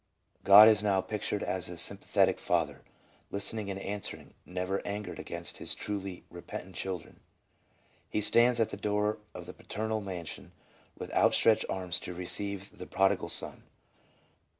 God is now pictured as a sympathetic Father, listening and answering, never angered against His truly repentant children. He stands at the door of the paternal mansion with outstretched arms to receive the prodigal son.